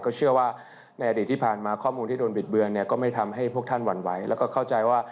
ก็เชื่อว่าในอดีตที่ผ่านมาข้อมูลที่โดนบิดเบือนก็ไม่ทำให้พวกท่านหวั่นไหว